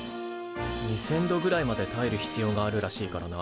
２，０００度ぐらいまでたえる必要があるらしいからな。